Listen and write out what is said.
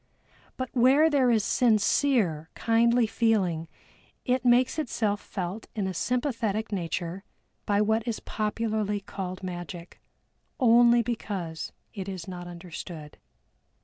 But where there is sincere kindly feeling it makes itself felt in a sympathetic nature by what is popularly called magic, only because it is not understood.